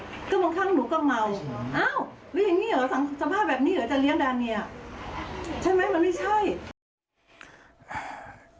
ก็บางครั้งหนูก็เมาอ้าวสัมภาพแบบนี้เหรอจะเลี้ยงดานเนียใช่ไหมมันไม่ใช่